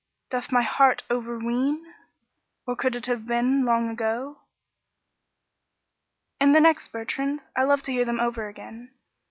Doth my heart overween? Or could it have been Long ago?" "And the next, Bertrand. I love to hear them over again."